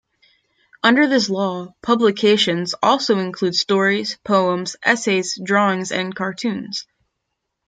Under this law, 'publications' also include stories, poems, essays, drawings and cartoons.